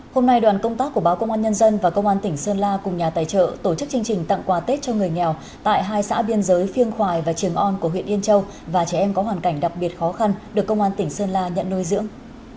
hôm nay đoàn công tác của báo công an nhân dân và công an tỉnh sơn la cùng nhà tài trợ tổ chức chương trình tặng quà tết cho người nghèo tại hai xã biên giới phiêng khoài và trường on của huyện yên châu và trẻ em có hoàn cảnh đặc biệt khó khăn được công an tỉnh sơn la nhận nuôi dưỡng